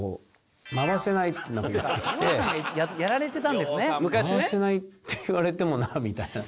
「まわせない」って言われてもなみたいな。